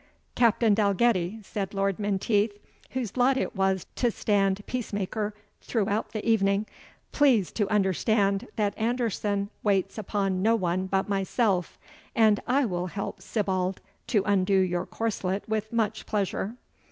"Captain Dalgetty," said Lord Menteith, whose lot it was to stand peacemaker throughout the evening, "please to understand that Anderson waits upon no one but myself; but I will help Sibbald to undo your corslet with much pleasure."